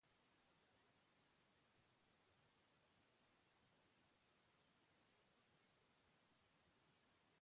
Osasunaren esparruan teknologia berrien erabilera biltzen duen kontzeptua da.